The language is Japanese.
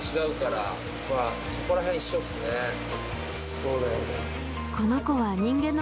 そうだよね。